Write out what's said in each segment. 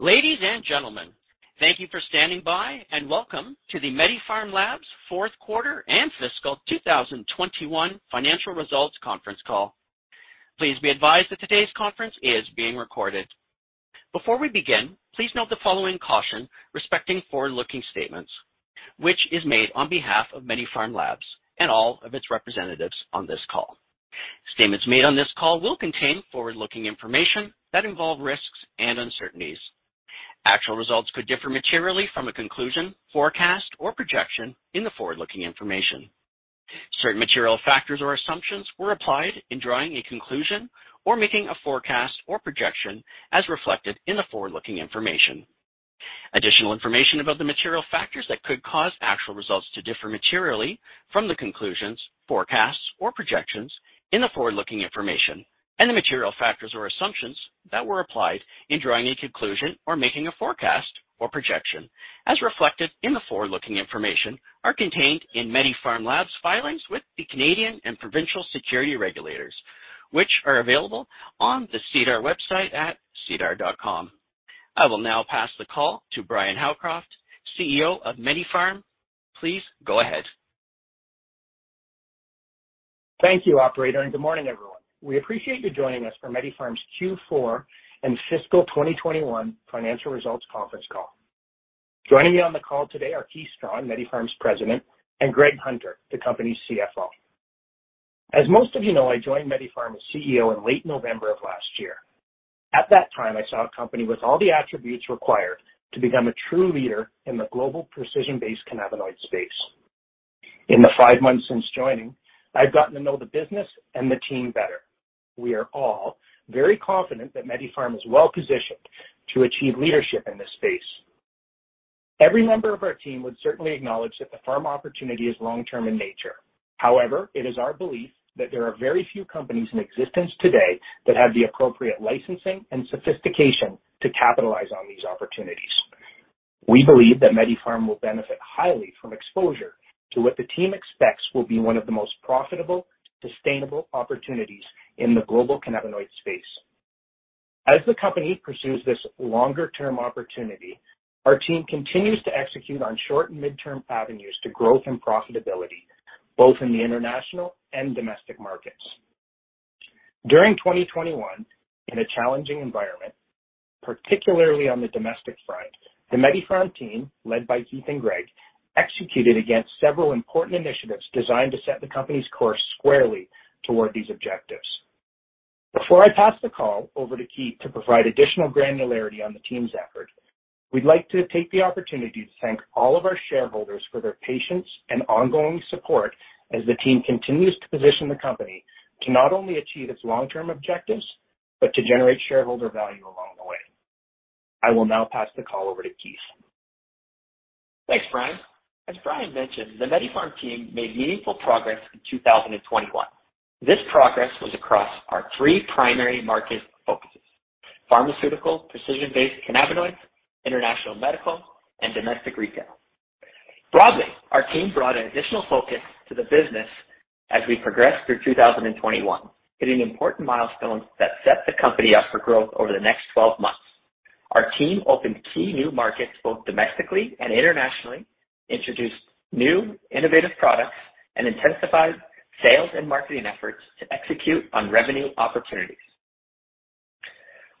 Ladies and gentlemen, thank you for standing by, and welcome to the MediPharm Labs fourth quarter and fiscal 2021 financial results conference call. Please be advised that today's conference is being recorded. Before we begin, please note the following caution respecting forward-looking statements, which is made on behalf of MediPharm Labs and all of its representatives on this call. Statements made on this call will contain forward-looking information that involve risks and uncertainties. Actual results could differ materially from a conclusion, forecast, or projection in the forward-looking information. Certain material factors or assumptions were applied in drawing a conclusion or making a forecast or projection as reflected in the forward-looking information. Additional information about the material factors that could cause actual results to differ materially from the conclusions, forecasts, or projections in the forward-looking information and the material factors or assumptions that were applied in drawing a conclusion or making a forecast or projection as reflected in the forward-looking information are contained in MediPharm Labs filings with the Canadian and provincial security regulators, which are available on the SEDAR website at sedar.com. I will now pass the call to Bryan Howcroft, CEO of MediPharm. Please go ahead. Thank you, operator, and good morning, everyone. We appreciate you joining us for MediPharm's Q4 and fiscal 2021 financial results conference call. Joining me on the call today are Keith Strachan, MediPharm's President, and Greg Hunter, the company's CFO. As most of you know, I joined MediPharm as CEO in late November of last year. At that time, I saw a company with all the attributes required to become a true leader in the global precision-based cannabinoid space. In the five months since joining, I've gotten to know the business and the team better. We are all very confident that MediPharm is well-positioned to achieve leadership in this space. Every member of our team would certainly acknowledge that the Pharm opportunity is long-term in nature. However, it is our belief that there are very few companies in existence today that have the appropriate licensing and sophistication to capitalize on these opportunities. We believe that MediPharm will benefit highly from exposure to what the team expects will be one of the most profitable, sustainable opportunities in the global cannabinoid space. As the company pursues this longer-term opportunity, our team continues to execute on short and midterm avenues to growth and profitability, both in the international and domestic markets. During 2021, in a challenging environment, particularly on the domestic front, the MediPharm team, led by Keith and Greg, executed against several important initiatives designed to set the company's course squarely toward these objectives. Before I pass the call over to Keith to provide additional granularity on the team's effort, we'd like to take the opportunity to thank all of our shareholders for their patience and ongoing support as the team continues to position the company to not only achieve its long-term objectives but to generate shareholder value along the way. I will now pass the call over to Keith. Thanks, Bryan. As Bryan mentioned, the MediPharm team made meaningful progress in 2021. This progress was across our three primary market focuses: pharmaceutical, precision-based cannabinoids, international medical, and domestic retail. Broadly, our team brought an additional focus to the business as we progressed through 2021, hitting important milestones that set the company up for growth over the next 12 months. Our team opened key new markets, both domestically and internationally, introduced new innovative products, and intensified sales and marketing efforts to execute on revenue opportunities.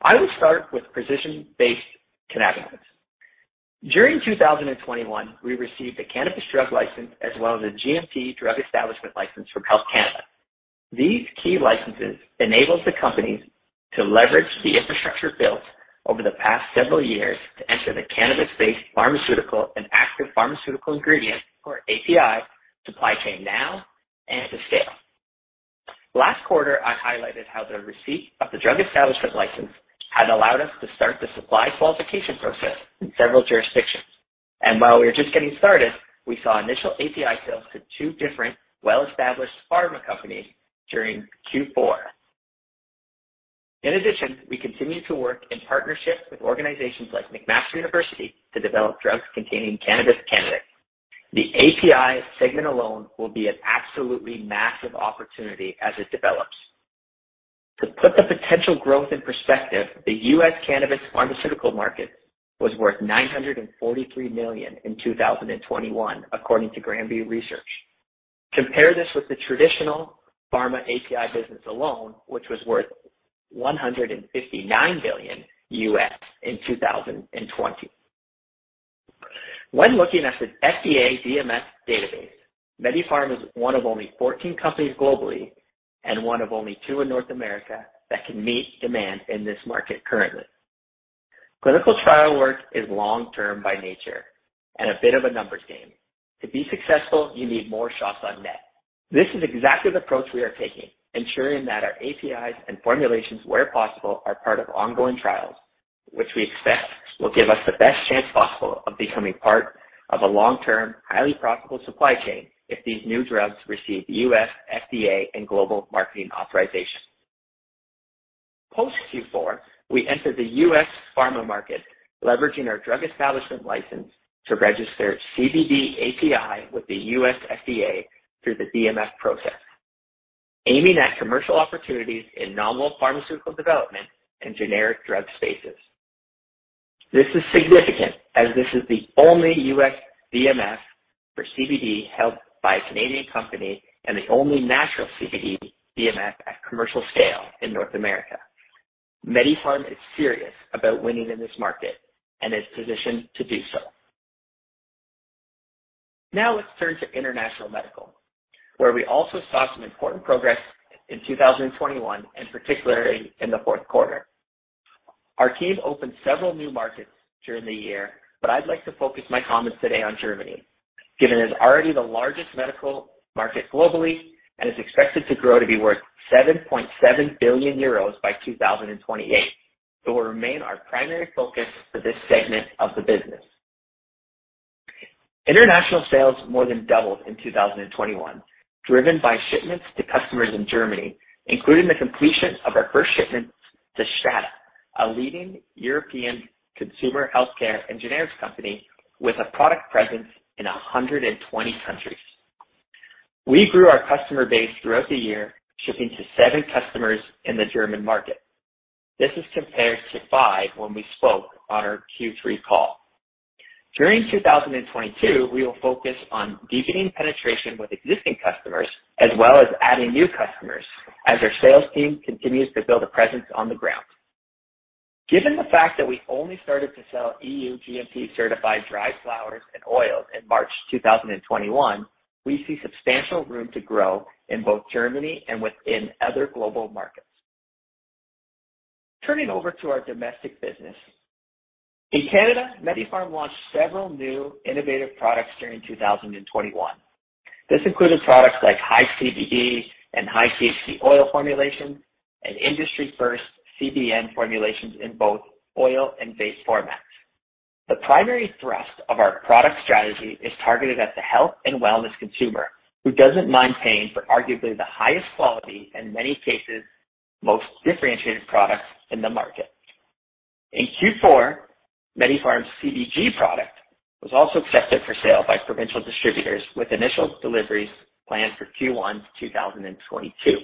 I will start with precision-based cannabinoids. During 2021, we received a cannabis drug license as well as a GMP drug establishment license from Health Canada. These key licences enables the company to leverage the infrastructure built over the past several years to enter the cannabis-based pharmaceutical and active pharmaceutical ingredient, or API, supply chain now and to scale. Last quarter, I highlighted how the receipt of the drug establishment licence had allowed us to start the supply qualification process in several jurisdictions, and while we were just getting started, we saw initial API sales to two different well-established pharma companies during Q4. In addition, we continue to work in partnership with organizations like McMaster University to develop drugs containing cannabis candidates. The API segment alone will be an absolutely massive opportunity as it develops. To put the potential growth in perspective, the U.S. cannabis pharmaceutical market was worth $943 million in 2021, according to Grand View Research. Compare this with the traditional pharma API business alone, which was worth $159 billion in 2020. When looking at the FDA DMF database, MediPharm is one of only 14 companies globally and one of only two in North America that can meet demand in this market currently. Clinical trial work is long-term by nature and a bit of a numbers game. To be successful, you need more shots on net. This is exactly the approach we are taking, ensuring that our APIs and formulations, where possible, are part of ongoing trials, which we expect will give us the best chance possible of becoming part of a long-term, highly profitable supply chain if these new drugs receive U.S. FDA and global marketing authorization. Post Q4, we entered the U.S. pharma market, leveraging our drug establishment license to register CBD API with the U.S. FDA through the DMF process. Aiming at commercial opportunities in novel pharmaceutical development and generic drug spaces. This is significant as this is the only U.S. DMF for CBD held by a Canadian company and the only natural CBD DMF at commercial scale in North America. MediPharm is serious about winning in this market and is positioned to do so. Now let's turn to international medical, where we also saw some important progress in 2021, and particularly in the fourth quarter. Our team opened several new markets during the year, but I'd like to focus my comments today on Germany. Given it is already the largest medical market globally and is expected to grow to be worth 7.7 billion euros by 2028. It will remain our primary focus for this segment of the business. International sales more than doubled in 2021, driven by shipments to customers in Germany, including the completion of our first shipment to STADA, a leading European consumer healthcare and generics company with a product presence in 120 countries. We grew our customer base throughout the year, shipping to seven customers in the German market. This is compared to five when we spoke on our Q3 call. During 2022, we will focus on deepening penetration with existing customers as well as adding new customers as our sales team continues to build a presence on the ground. Given the fact that we only started to sell EU GMP certified dry flowers and oils in March 2021, we see substantial room to grow in both Germany and within other global markets. Turning over to our domestic business. In Canada, MediPharm launched several new innovative products during 2021. This included products like high CBD and high THC oil formulations and industry-first CBN formulations in both oil and vape formats. The primary thrust of our product strategy is targeted at the health and wellness consumer who doesn't mind paying for arguably the highest quality, in many cases, most differentiated products in the market. In Q4, MediPharm's CBG product was also accepted for sale by provincial distributors, with initial deliveries planned for Q1 2022.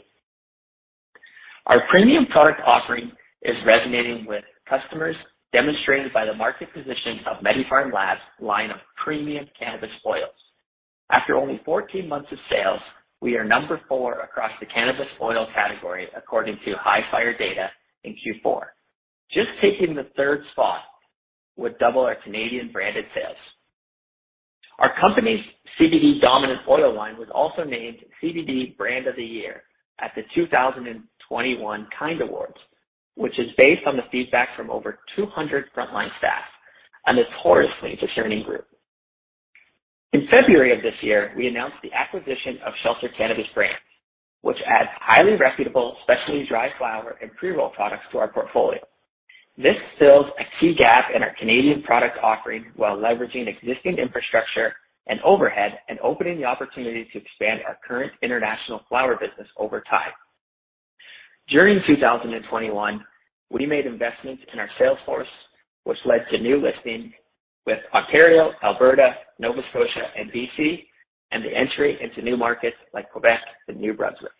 Our premium product offering is resonating with customers, demonstrated by the market position of MediPharm Labs line of premium cannabis oils. After only 14 months of sales, we are number four across the cannabis oil category, according to High Fire data in Q4. Just taking the third spot would double our Canadian branded sales. Our company's CBD dominant oil line was also named CBD Brand of the Year at the 2021 Kind Awards, which is based on the feedback from over 200 frontline staff, a notoriously discerning group. In February of this year, we announced the acquisition of Shelter Cannabis brand, which adds highly reputable, specialty dry flower and pre-roll products to our portfolio. This fills a key gap in our Canadian product offering while leveraging existing infrastructure and overhead and opening the opportunity to expand our current international flower business over time. During 2021, we made investments in our sales force, which led to new listings with Ontario, Alberta, Nova Scotia, and BC, and the entry into new markets like Quebec and New Brunswick.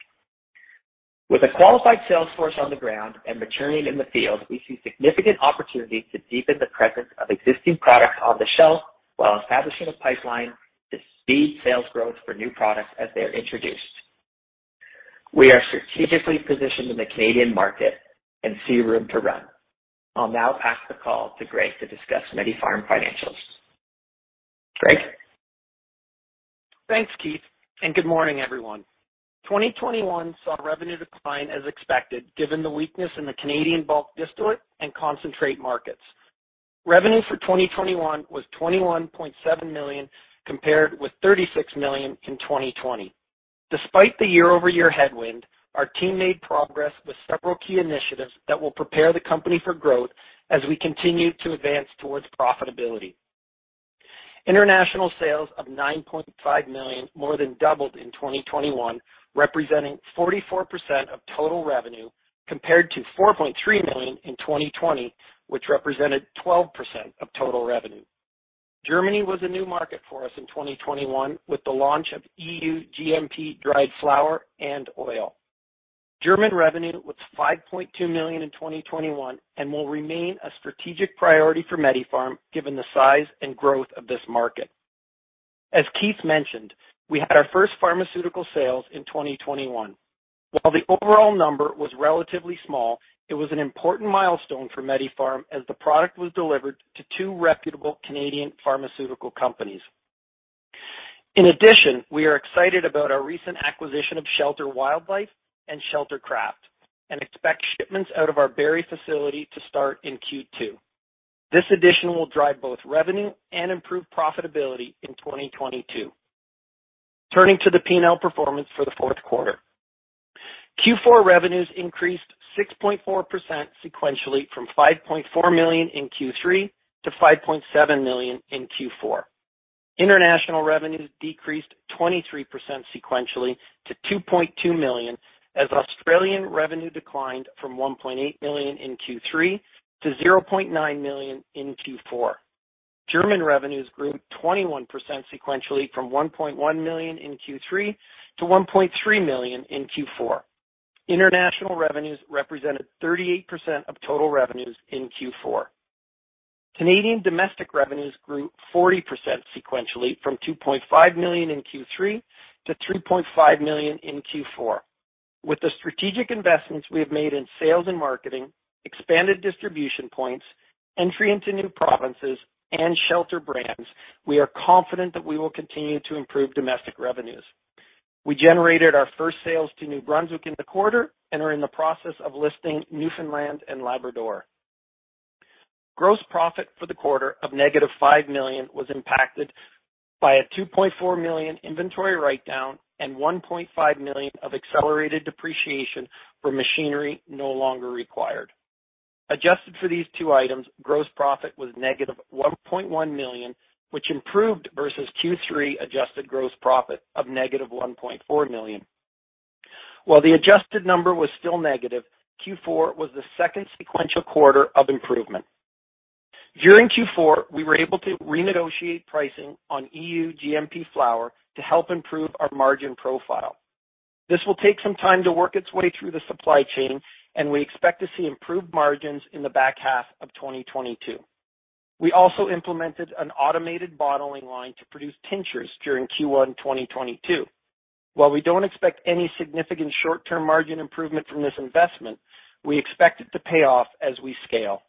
With a qualified sales force on the ground and maturing in the field, we see significant opportunities to deepen the presence of existing products on the shelf while establishing a pipeline to speed sales growth for new products as they are introduced. We are strategically positioned in the Canadian market and see room to run. I'll now pass the call to Greg to discuss MediPharm financials. Greg. Thanks, Keith, and good morning, everyone. 2021 saw revenue decline as expected, given the weakness in the Canadian bulk distillate and concentrate markets. Revenue for 2021 was 21.7 million, compared with 36 million in 2020. Despite the year-over-year headwind, our team made progress with several key initiatives that will prepare the company for growth as we continue to advance towards profitability. International sales of 9.5 million more than doubled in 2021, representing 44% of total revenue, compared to 4.3 million in 2020, which represented 12% of total revenue. Germany was a new market for us in 2021, with the launch of EU GMP dried flower and oil. German revenue was 5.2 million in 2021 and will remain a strategic priority for MediPharm, given the size and growth of this market. As Keith mentioned, we had our first pharmaceutical sales in 2021. While the overall number was relatively small, it was an important milestone for MediPharm as the product was delivered to two reputable Canadian pharmaceutical companies. In addition, we are excited about our recent acquisition of Shelter Wildlife and Shelter Craft and expect shipments out of our Barrie facility to start in Q2. This addition will drive both revenue and improve profitability in 2022. Turning to the P&L performance for the fourth quarter. Q4 revenues increased 6.4% sequentially from 5.4 million in Q3 to 5.7 million in Q4. International revenues decreased 23% sequentially to 2.2 million, as Australian revenue declined from 1.8 million in Q3 to 0.9 million in Q4. German revenues grew 21% sequentially from 1.1 million in Q3 to 1.3 million in Q4. International revenues represented 38% of total revenues in Q4. Canadian domestic revenues grew 40% sequentially from 2.5 million in Q3 to 3.5 million in Q4. With the strategic investments we have made in sales and marketing, expanded distribution points, entry into new provinces and shelter brands, we are confident that we will continue to improve domestic revenues. We generated our first sales to New Brunswick in the quarter and are in the process of listing Newfoundland and Labrador. Gross profit for the quarter of -5 million was impacted by a 2.4 million inventory write-down and 1.5 million of accelerated depreciation for machinery no longer required. Adjusted for these two items, gross profit was -1.1 million, which improved versus Q3 adjusted gross profit of -1.4 million. While the adjusted number was still negative, Q4 was the second sequential quarter of improvement. During Q4, we were able to renegotiate pricing on EU GMP flower to help improve our margin profile. This will take some time to work its way through the supply chain, and we expect to see improved margins in the back half of 2022. We also implemented an automated bottling line to produce tinctures during Q1 2022. While we don't expect any significant short-term margin improvement from this investment, we expect it to pay off as we scale.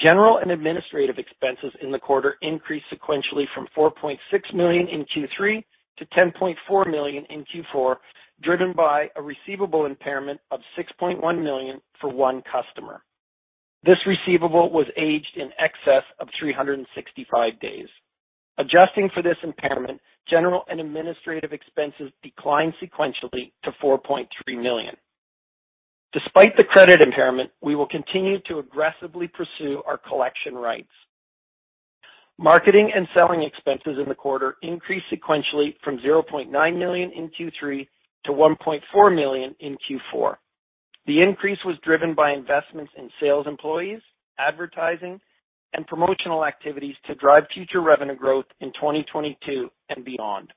General and administrative expenses in the quarter increased sequentially from 4.6 million in Q3 to 10.4 million in Q4, driven by a receivable impairment of 6.1 million for one customer. This receivable was aged in excess of 365 days. Adjusting for this impairment, general and administrative expenses declined sequentially to 4.3 million. Despite the credit impairment, we will continue to aggressively pursue our collection rights. Marketing and selling expenses in the quarter increased sequentially from 0.9 million in Q3 to 1.4 million in Q4. The increase was driven by investments in sales employees, advertising, and promotional activities to drive future revenue growth in 2022 and beyond.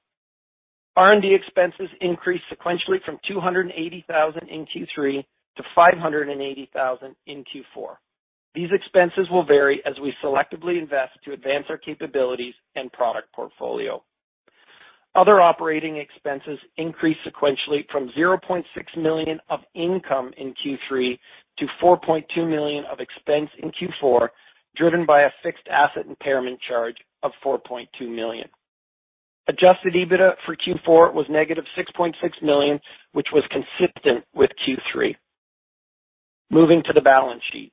R&D expenses increased sequentially from 280 thousand in Q3 to 580 thousand in Q4. These expenses will vary as we selectively invest to advance our capabilities and product portfolio. Other operating expenses increased sequentially from 0.6 million of income in Q3 to 4.2 million of expense in Q4, driven by a fixed asset impairment charge of 4.2 million. Adjusted EBITDA for Q4 was negative 6.6 million, which was consistent with Q3. Moving to the balance sheet.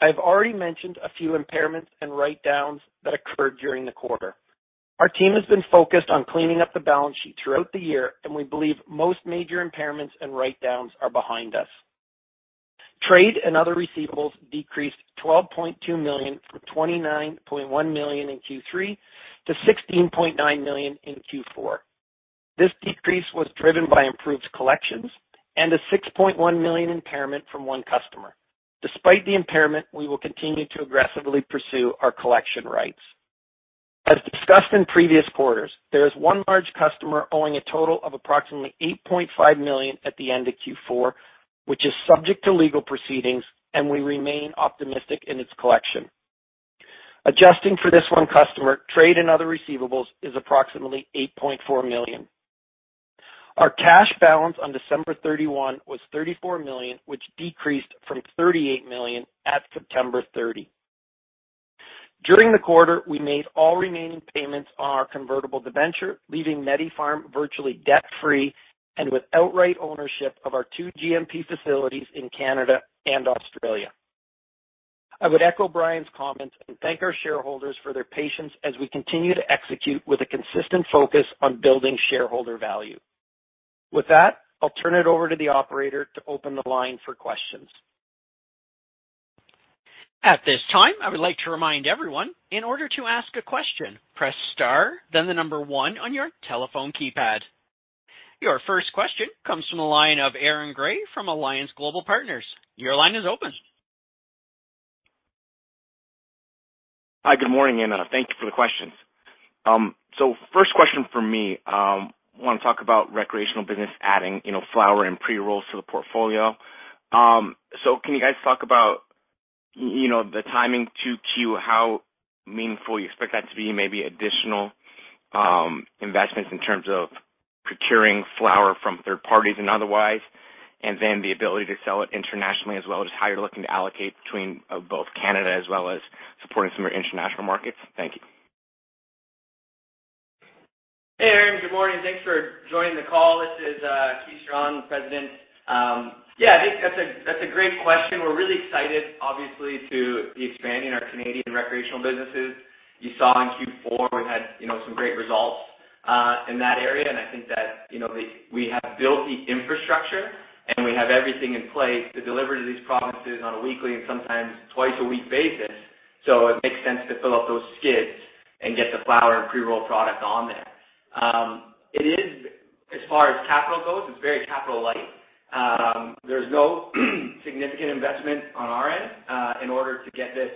I've already mentioned a few impairments and write-downs that occurred during the quarter. Our team has been focused on cleaning up the balance sheet throughout the year, and we believe most major impairments and write-downs are behind us. Trade and other receivables decreased 12.2 million from 29.1 million in Q3 to 16.9 million in Q4. This decrease was driven by improved collections and a 6.1 million impairment from one customer. Despite the impairment, we will continue to aggressively pursue our collection rights. As discussed in previous quarters, there is one large customer owing a total of approximately 8.5 million at the end of Q4, which is subject to legal proceedings, and we remain optimistic in its collection. Adjusting for this one customer, trade and other receivables is approximately 8.4 million. Our cash balance on December 31 was 34 million, which decreased from 38 million at September 30. During the quarter, we made all remaining payments on our convertible debenture, leaving MediPharm virtually debt-free and with outright ownership of our two GMP facilities in Canada and Australia. I would echo Brian's comments and thank our shareholders for their patience as we continue to execute with a consistent focus on building shareholder value. With that, I'll turn it over to the operator to open the line for questions. At this time, I would like to remind everyone, in order to ask a question, press star, then the number one on your telephone keypad. Your first question comes from the line of Aaron Grey from Alliance Global Partners. Your line is open. Hi. Good morning, everyone. Thank you for the questions. First question from me. I wanna talk about recreational business adding, you know, flower and pre-rolls to the portfolio. Can you guys talk about, you know, the timing 2Q, how meaningful you expect that to be, maybe additional, investments in terms of procuring flower from third parties and otherwise, and then the ability to sell it internationally as well as how you're looking to allocate between, both Canada as well as supporting some of your international markets. Thank you. Hey, Aaron. Good morning. Thanks for joining the call. This is Keith Strachan, the President. Yeah, I think that's a great question. We're really excited obviously to be expanding our Canadian recreational businesses. You saw in Q4 we had, you know, some great results in that area. I think that, you know, we have built the infrastructure, and we have everything in place to deliver to these provinces on a weekly and sometimes twice-a-week basis. It makes sense to fill up those skids and get the flower and pre-roll product on there. As far as capital goes, it's very capital light. There's no significant investment on our end in order to get this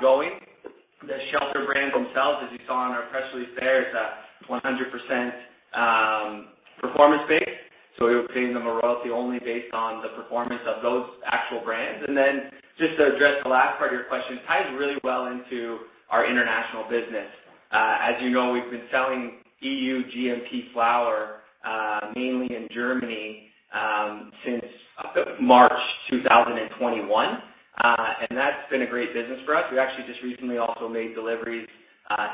going. The Shelter brands themselves, as you saw in our press release there, is 100%, performance-based, so we would pay them a royalty only based on the performance of those actual brands. Just to address the last part of your question, ties really well into our international business. As you know, we've been selling EU GMP flower, mainly in Germany, since March 2021. And that's been a great business for us. We actually just recently also made deliveries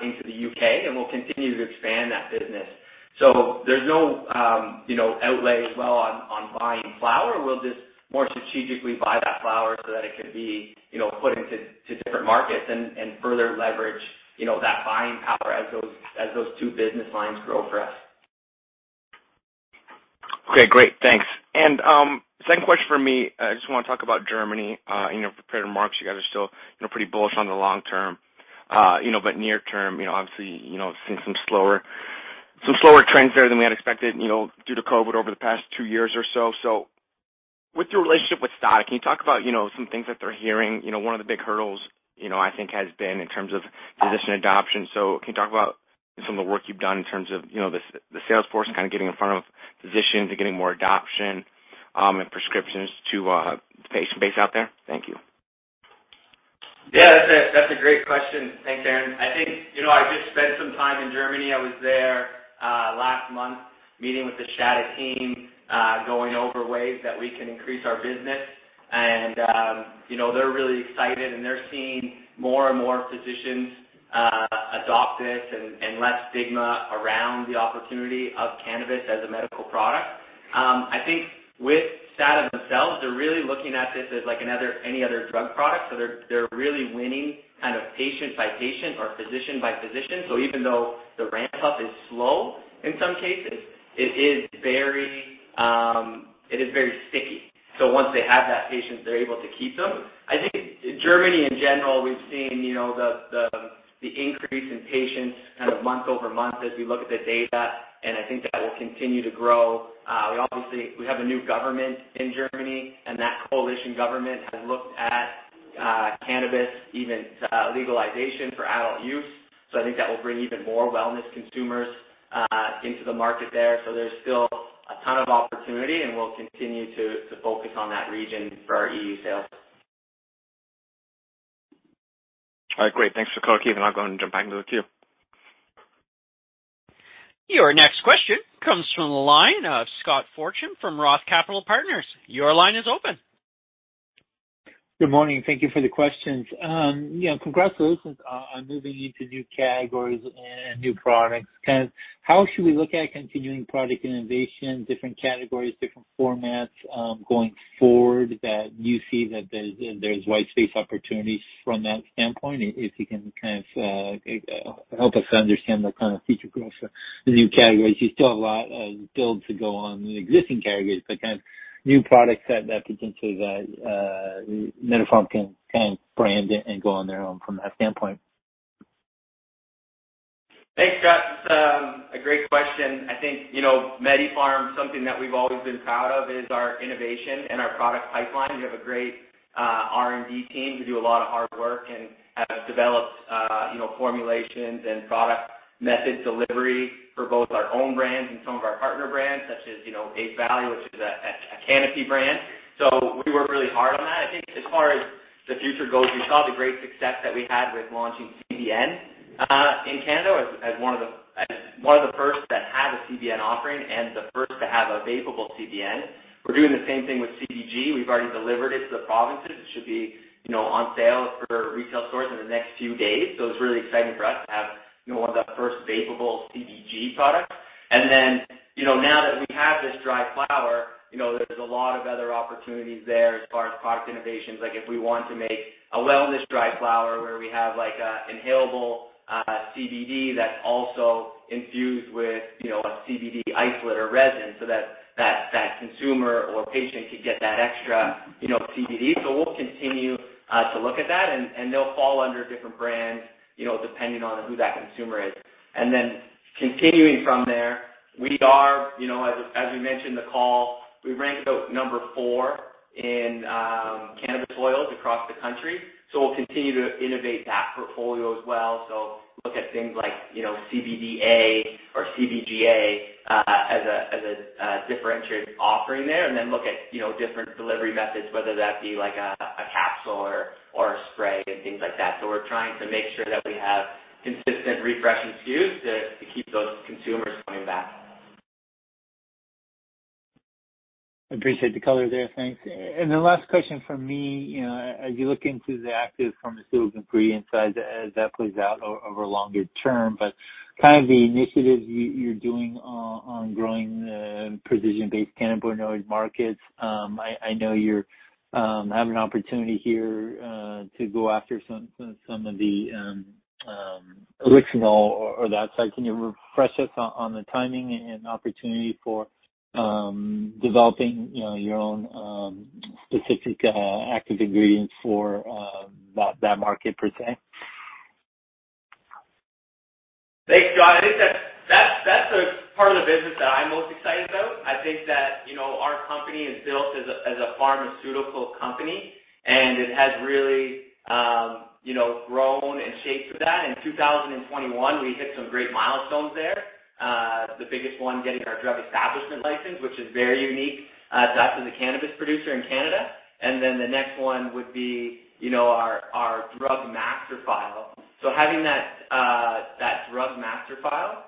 into the U.K., and we'll continue to expand that business. There's no, you know, outlay as well on buying flower. We'll just more strategically buy that flower so that it can be, you know, put into different markets and further leverage, you know, that buying power as those two business lines grow for us. Okay. Great. Thanks. Second question for me, I just wanna talk about Germany. You know, prepared remarks. You guys are still, you know, pretty bullish on the long term, you know, but near term, you know, obviously, you know, seeing some slower trends there than we had expected, you know, due to COVID over the past two years or so. With your relationship with STADA, can you talk about, you know, some things that they're hearing? You know, one of the big hurdles, you know, I think has been in terms of physician adoption. Can you talk about some of the work you've done in terms of, you know, the sales force kind of getting in front of physicians and getting more adoption, and prescriptions to the patient base out there? Thank you. Yeah, that's a great question. Thanks, Aaron. I think you know, I just spent some time in Germany. I was there last month meeting with the STADA team, going over ways that we can increase our business. You know, they're really excited, and they're seeing more and more physicians adopt it and less stigma around the opportunity of cannabis as a medical product. I think with STADA themselves, they're really looking at this as like any other drug product. They're really winning kind of patient by patient or physician by physician. Even though the ramp up is slow in some cases, it is very sticky. Once they have that patient, they're able to keep them. I think Germany in general, we've seen, you know, the increase in patients kind of month-over-month as we look at the data, and I think that will continue to grow. We have a new government in Germany, and that coalition government has looked at cannabis even legalization for adult use. I think that will bring even more wellness consumers into the market there. There's still a ton of opportunity, and we'll continue to focus on that region for our EU sales. All right. Great. Thanks for the color, Keith, and I'll go and jump back into the queue. Your next question comes from the line of Scott Fortune from Roth Capital Partners. Your line is open. Good morning. Thank you for the questions. You know, congrats to Oasis on moving into new categories and new products. Kind of how should we look at continuing product innovation, different categories, different formats, going forward that you see that there's white space opportunities from that standpoint? If you can kind of help us understand the kind of future growth for the new categories. You still have a lot of build to go on the existing categories, but kind of new product set that potentially that MediPharm can brand and go on their own from that standpoint. Thanks, Scott. It's a great question. I think you know, MediPharm, something that we've always been proud of is our innovation and our product pipeline. We have a great R&D team who do a lot of hard work and have developed you know, formulations and product delivery methods for both our own brands and some of our partner brands such as you know, Ace Valley, which is a Canopy brand. We work really hard on that. I think as far as the future goes, we saw the great success that we had with launching CBN in Canada as one of the first that had a CBN offering and the first to have a vapable CBN. We're doing the same thing with CBG. We've already delivered it to the provinces. It should be, you know, on sale for retail stores in the next few days. It's really exciting for us to have, you know, one of the first vapable CBG products. You know, now that we have this dry flower, you know, there's a lot of other opportunities there as far as product innovations. Like, if we want to make a wellness dry flower where we have, like an inhalable CBD that's also infused with, you know, a CBD isolate or resin so that that consumer or patient can get that extra, you know, CBD. We'll continue to look at that, and they'll fall under different brands, you know, depending on who that consumer is. Continuing from there, we are, you know, as we mentioned on the call, we ranked about number four in cannabis oils across the country. We'll continue to innovate that portfolio as well. Look at things like, you know, CBDA or CBGA as a differentiated offering there, and then look at, you know, different delivery methods, whether that be like a capsule or a spray and things like that. We're trying to make sure that we have consistent refreshes SKUs to keep those consumers coming back. I appreciate the color there. Thanks. The last question from me, you know, as you look into the active pharmaceutical ingredient side as that plays out over longer term, but kind of the initiatives you're doing on growing precision-based cannabinoid markets, I know you have an opportunity here to go after some of the Elixnol or that side. Can you refresh us on the timing and opportunity for developing, you know, your own specific active ingredients for that market per se? Thanks, Scott. I think that's a part of the business that I'm most excited about. I think that, you know, our company is built as a pharmaceutical company, and it has really, you know, grown and shaped for that. In 2021, we hit some great milestones there. The biggest one, getting our drug establishment license, which is very unique to us as a cannabis producer in Canada. The next one would be, you know, our drug master file. Having that drug master file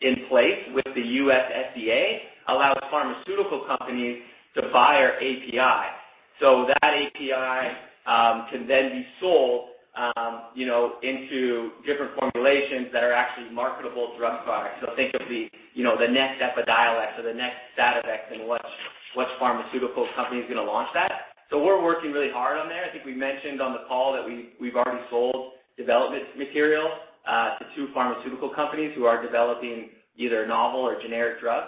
in place with the U.S. FDA allows pharmaceutical companies to buy our API. That API can then be sold, you know, into different formulations that are actually marketable drug products. Think of the next Epidiolex or the next Sativex, and what pharmaceutical company is gonna launch that. We're working really hard on there. I think we mentioned on the call that we've already sold development material to two pharmaceutical companies who are developing either a novel or generic drug.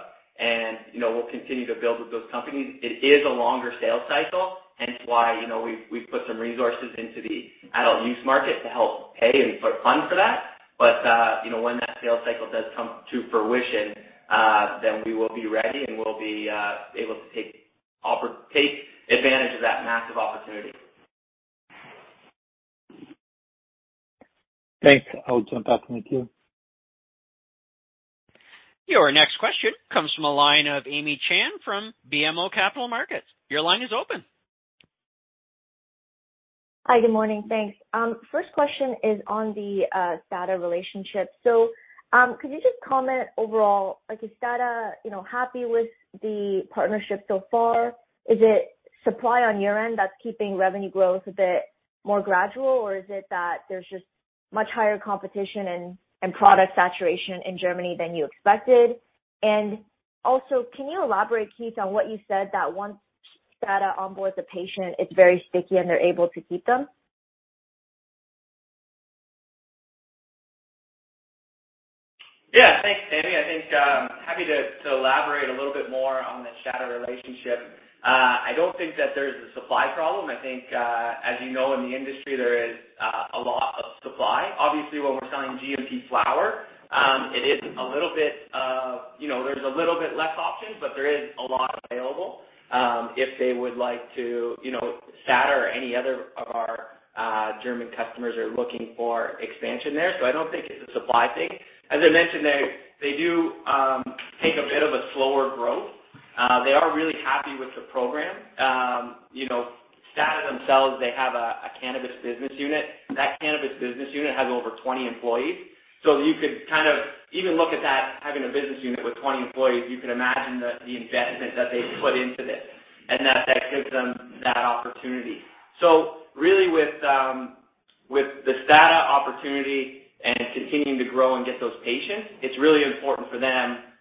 We'll continue to build with those companies. It is a longer sales cycle, hence why we've put some resources into the adult use market to help pay and fund for that. When that sales cycle does come to fruition, then we will be ready, and we'll be able to take advantage of that massive opportunity. Thanks. I'll jump off and thank you. Your next question comes from a line of Tamy Chen from BMO Capital Markets. Your line is open. Hi. Good morning. Thanks. First question is on the STADA relationship. Could you just comment overall, like is STADA, you know, happy with the partnership so far? Is it supply on your end that's keeping revenue growth a bit more gradual, or is it that there's just much higher competition and product saturation in Germany than you expected? And also, can you elaborate, Keith, on what you said that once STADA onboards a patient, it's very sticky, and they're able to keep them? Yeah. Thanks, Tamy. I think happy to elaborate a little bit more on the STADA relationship. I don't think that there's a supply problem. I think as you know, in the industry there is a lot of supply. Obviously, when we're selling GMP flower, it is a little bit. You know, there's a little bit less options, but there is a lot available, if they would like to, you know, STADA or any other of our German customers are looking for expansion there. I don't think it's a supply thing. As I mentioned, they do take a bit of a slower growth. They are really happy with the program. You know, STADA themselves, they have a cannabis business unit. That cannabis business unit has over 20 employees. You could kind of even look at that, having a business unit with 20 employees, you can imagine the investment that they've put into this and that gives them that opportunity. Really with the STADA opportunity and continuing to grow and get those patients, it's really important for them to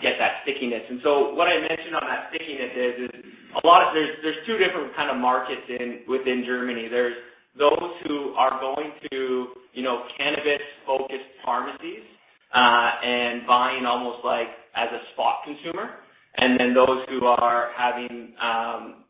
get that stickiness. What I mentioned on that stickiness is a lot. There's two different kind of markets within Germany. There's those who are going to, you know, cannabis-focused pharmacies, and buying almost like as a spot consumer and then those who are having,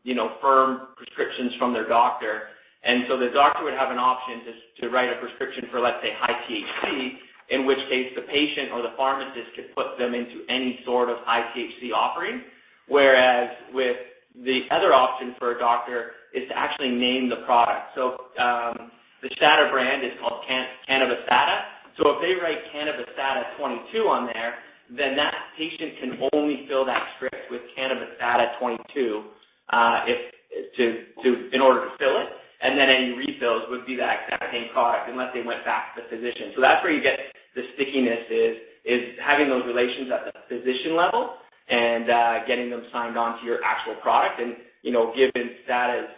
you know, firm prescriptions from their doctor. The doctor would have an option to write a prescription for, let's say, high THC, in which case the patient or the pharmacist could put them into any sort of high THC offering. Whereas with the other option for a doctor is to actually name the product. The STADA brand is called Cannamedical. If they write Cannamedical 22 on there, then that patient can only fill that script with Cannamedical 22, if in order to fill it, and then any refills would be that exact same product unless they went back to the physician. That's where you get the stickiness is having those relations at the physician level and getting them signed on to your actual product. You know, given STADA's,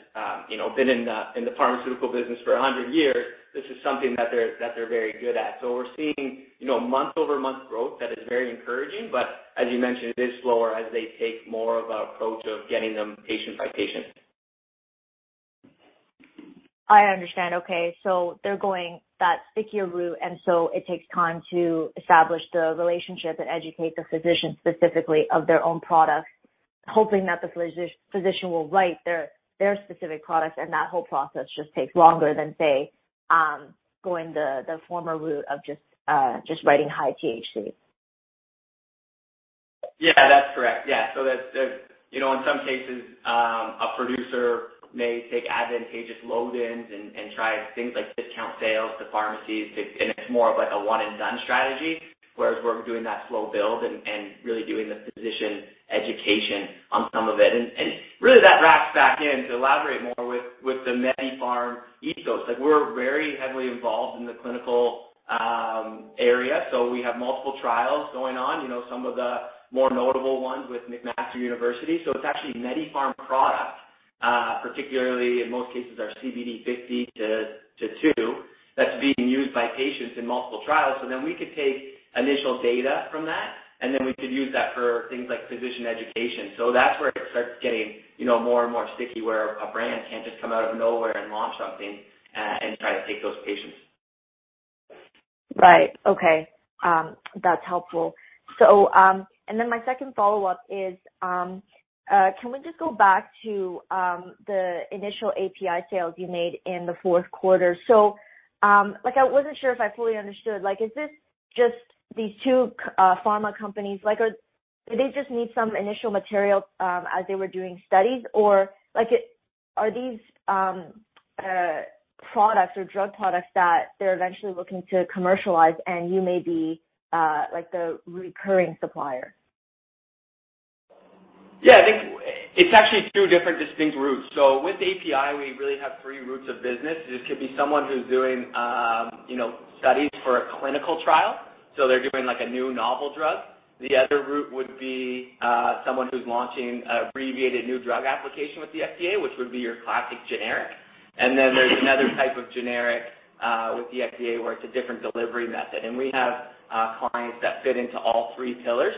you know, been in the pharmaceutical business for 100 years, this is something that they're very good at. We're seeing, you know, month-over-month growth. That is very encouraging. As you mentioned, it is slower as they take more of an approach of getting them patient by patient. I understand. Okay. They're going that stickier route, and so it takes time to establish the relationship and educate the physician specifically of their own products, hoping that the physician will write their specific products. That whole process just takes longer than, say, going the former route of just writing high THC. Yeah, that's correct. Yeah. That's, you know, in some cases, a producer may take advantageous load-ins and try things like discount sales to pharmacies, and it's more of like a one and done strategy. Whereas we're doing that slow build and really doing the physician education on some of it. Really that wraps back in to elaborate more with the MediPharm ethos, like we're very heavily involved in the clinical area, so we have multiple trials going on. You know, some of the more notable ones with McMaster University. It's actually MediPharm product, particularly in most cases our CBD50 to 2, that's being used by patients in multiple trials. Then we could take initial data from that, and then we could use that for things like physician education. That's where it starts getting, you know, more and more sticky, where a brand can't just come out of nowhere and launch something, and try to take those patients. Right. Okay. That's helpful. My second follow-up is, can we just go back to the initial API sales you made in the fourth quarter? Like, I wasn't sure if I fully understood, like, is this just these two pharma companies, like, do they just need some initial material as they were doing studies? Or like are these products or drug products that they're eventually looking to commercialize and you may be like the recurring supplier? Yeah, I think it's actually two different distinct routes. With API, we really have three routes of business. It could be someone who's doing studies for a clinical trial, they're doing a new novel drug. The other route would be someone who's launching an Abbreviated New Drug Application with the FDA, which would be your classic generic. Then there's another type of generic with the FDA, where it's a different delivery method. We have clients that fit into all three pillars.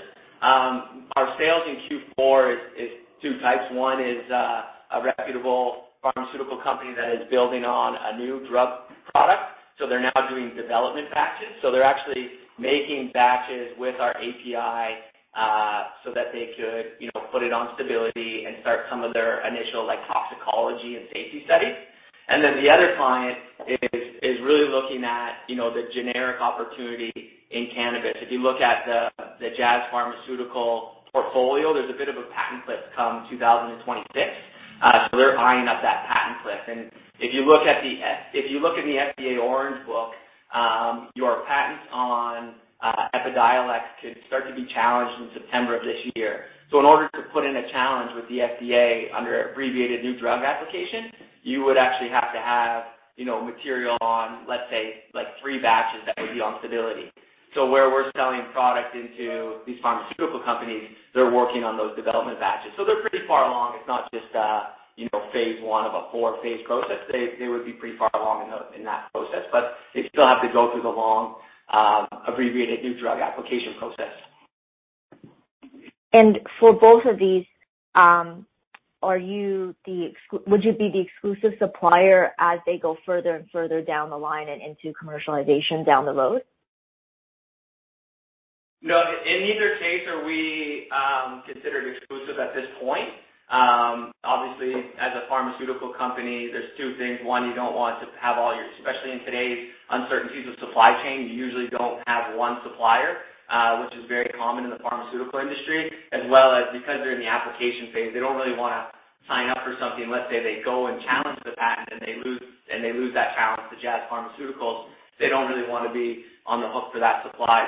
Our sales in Q4 is two types. One is a reputable pharmaceutical company that is building on a new drug product, so they're now doing development batches. They're actually making batches with our API, so that they could, you know, put it on stability and start some of their initial, like, toxicology and safety studies. Then the other client is really looking at, you know, the generic opportunity in cannabis. If you look at the Jazz Pharmaceuticals portfolio, there's a bit of a patent cliff come 2026. They're buying up that patent cliff. If you look in the FDA Orange Book, your patents on Epidiolex could start to be challenged in September of this year. In order to put in a challenge with the FDA under Abbreviated New Drug Application, you would actually have to have, you know, material on, let's say, like three batches that would be on stability. Where we're selling product into these pharmaceutical companies, they're working on those development batches. They're pretty far along. It's not just a you know phase I of a four-phase process. They would be pretty far along in that process. They still have to go through the long Abbreviated New Drug Application process. For both of these, would you be the exclusive supplier as they go further and further down the line and into commercialization down the road? No. In neither case are we considered exclusive at this point. Obviously as a pharmaceutical company, there's two things. One, you don't want to have all your, especially in today's uncertainties of supply chain, you usually don't have one supplier, which is very common in the pharmaceutical industry. As well as because they're in the application phase, they don't really wanna sign up for something. Let's say they go and challenge the patent and they lose that challenge to Jazz Pharmaceuticals, they don't really wanna be on the hook for that supply.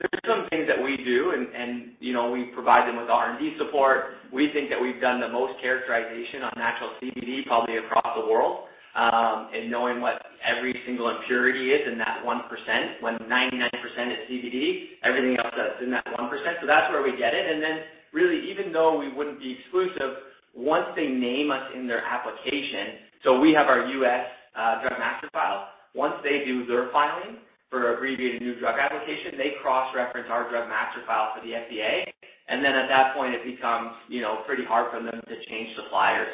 So there's some things that we do, and you know, we provide them with R&D support. We think that we've done the most characterization on natural CBD probably across the world in knowing what every single impurity is in that 1%. When 99% is CBD, everything else that's in that 1%, so that's where we get it. Then really, even though we wouldn't be exclusive, once they name us in their application, so we have our U.S. Drug Master File. Once they do their filing for Abbreviated New Drug Application, they cross-reference our Drug Master File for the FDA. Then at that point it becomes, you know, pretty hard for them to change suppliers.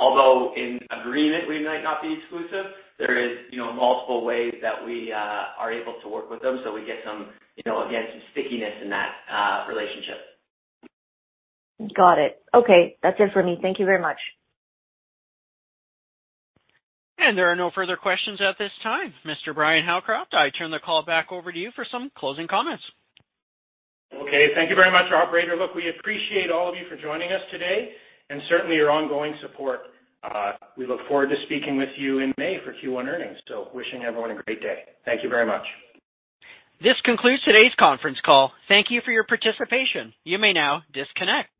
Although in agreement we might not be exclusive, there is, you know, multiple ways that we are able to work with them, so we get some, you know, again, some stickiness in that relationship. Got it. Okay. That's it for me. Thank you very much. There are no further questions at this time. Mr. Bryan Howcroft, I turn the call back over to you for some closing comments. Okay. Thank you very much, operator. Look, we appreciate all of you for joining us today and certainly your ongoing support. We look forward to speaking with you in May for Q1 earnings. Wishing everyone a great day. Thank you very much. This concludes today's conference call. Thank you for your participation. You may now disconnect.